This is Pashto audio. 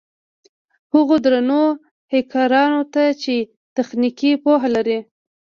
هغو درنو هېکرانو ته چې تخنيکي پوهه لري.